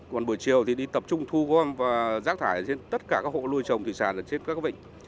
còn buổi chiều thì đi tập trung thu gom và rác thải trên tất cả các hộ nuôi trồng thủy sản ở trên các vịnh